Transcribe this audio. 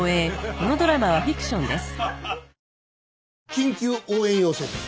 緊急応援要請です。